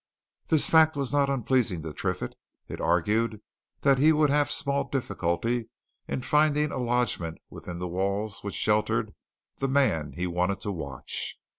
This fact was not unpleasing to Triffitt; it argued that he would have small difficulty in finding a lodgment within the walls which sheltered the man he wanted to watch.